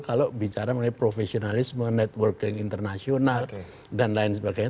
kalau bicara mengenai profesionalisme networking internasional dan lain sebagainya